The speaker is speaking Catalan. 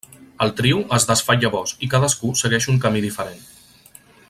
El trio es desfà llavors, i cadascú segueix un camí diferent.